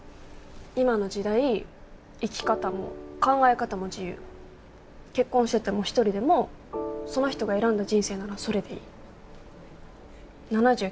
今の時代生き方も考え方も自由結婚してても１人でもその人が選んだ人生ならそれでいい７９億